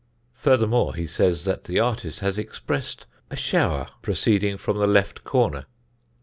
Furthermore, he says that the artist has expressed a shower proceeding "from the left corner."